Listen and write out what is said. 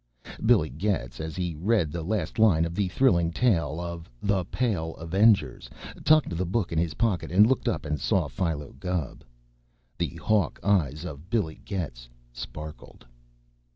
Billy Getz, as he read the last line of the thrilling tale of "The Pale Avengers," tucked the book in his pocket, and looked up and saw Philo Gubb. The hawk eyes of Billy Getz sparkled.